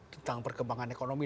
tentang perkembangan ekonomi